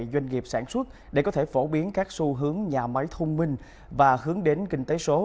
doanh nghiệp sản xuất để có thể phổ biến các xu hướng nhà máy thông minh và hướng đến kinh tế số